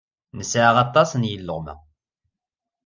Nesɛa aṭas n yileɣma.